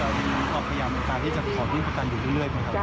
หลังจากนี้จะพยายามจะขอที่ประกันอยู่ทีครับ